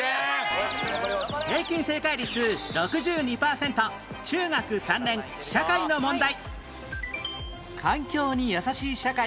平均正解率６２パーセント中学３年社会の問題